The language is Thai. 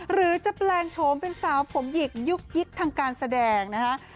หรือจะแปลงโฉมเป็นสาวผมหยิกยุคฮิตทางการแสดงนะฮะ